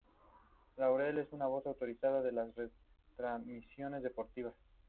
Lauren es una voz autorizada en las retransmisiones deportivas.